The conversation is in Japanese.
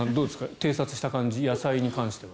偵察した感じ、野菜に関しては。